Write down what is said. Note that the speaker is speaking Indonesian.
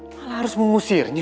malah harus mengusirnya